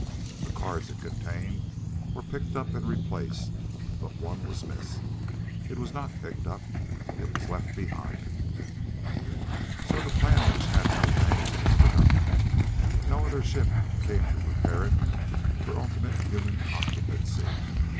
The cards it contained were picked up and replaced, but one was missed. It was not picked up. It was left behind. So the planet which had no name was forgotten. No other ship came to prepare it for ultimate human occupancy.